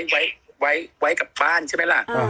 ไว้กับบ้านใช่ไหมล่ะ